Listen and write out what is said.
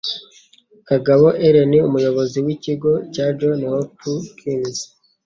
Kagabo Allen, umuyobozi w'ikigo cya Johns Hopkins,